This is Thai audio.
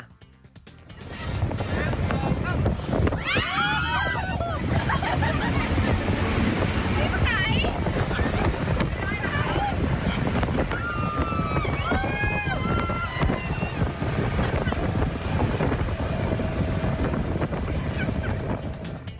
นี่เป็นไหนไม่ได้นะ